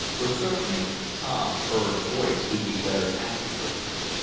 For certainly Tom heard a voice, he declared afterward.